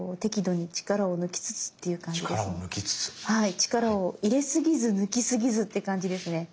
力を入れ過ぎず抜き過ぎずって感じですね。